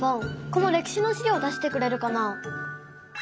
この歴史のしりょう出してくれるかな？